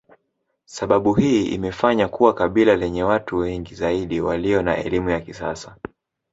Sababu hii imefanya kuwa kabila lenye watu wengi zaidi walio na elimu ya kisasa